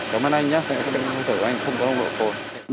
cảm ơn anh nhé